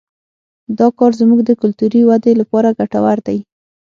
دا کار زموږ د کلتوري ودې لپاره ګټور دی